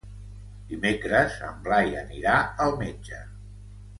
Dimecres en Blai anirà al metge.